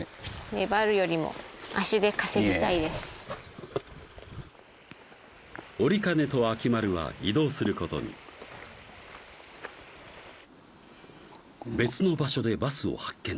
粘るよりも足で稼ぎたいですいいね折金と秋丸は移動することに別の場所でバスを発見